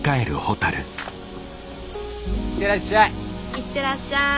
いってらっしゃい！